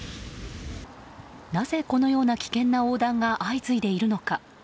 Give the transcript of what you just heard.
なぜ、このような危険な横断が相次いでいるのか。